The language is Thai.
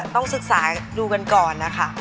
ต้องศึกษาดูกันก่อนนะคะ